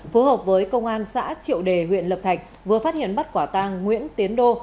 phối hợp với công an xã triệu đề huyện lập thạch vừa phát hiện bắt quả tàng nguyễn tiến đô